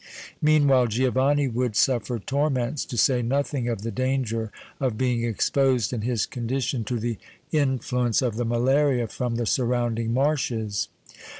Meanwhile Giovanni would suffer torments, to say nothing of the danger of being exposed in his condition to the influence of the malaria from the surrounding marshes.